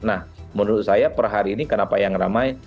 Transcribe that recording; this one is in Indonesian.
nah menurut saya per hari ini kenapa yang ramai